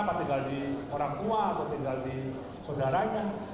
apa tinggal di orang tua atau tinggal di saudaranya